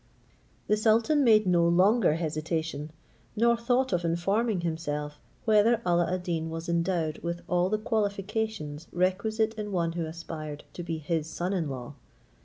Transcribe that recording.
The sultan made no longer hesitation, nor thought of informing himself whether Alla ad Deen was endowed with all the qualifications requisite in one who aspired to be his son in law.